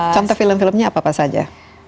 contoh film filmnya apa apa saja